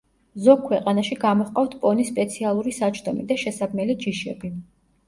ზოგ ქვეყანაში გამოჰყავთ პონის სპეციალური საჯდომი და შესაბმელი ჯიშები.